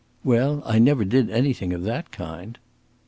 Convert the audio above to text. "Well, I never did anything of that kind."